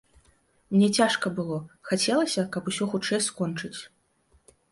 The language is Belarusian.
Мне цяжка было, хацелася, каб усё хутчэй скончыць.